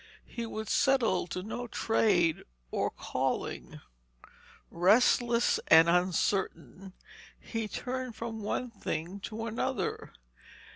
He would settle to no trade or calling. Restless and uncertain, he turned from one thing to another.